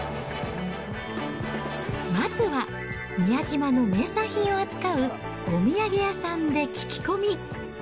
まずは宮島の名産品を扱うお土産屋さんで聞き込み。